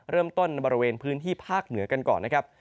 เริ่มต้นในบริเวณพื้นที่ภาคเหนือกันก่อนนะครับ